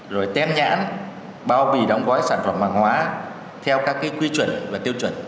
rồi tem nhãn bao bì đóng gói sản phẩm hàng hóa theo các quy chuẩn và tiêu chuẩn